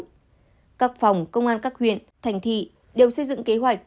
các phòng công an các huyện thành thị đều xây dựng kế hoạch